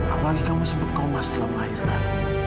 apalagi kamu sempat koma setelah melahirkan